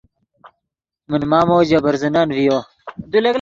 من مامو ژے برزنن ڤیو